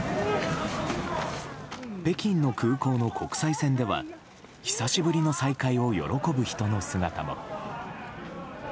北京の空港の国際線では久しぶりの再会を喜ぶ人の姿も。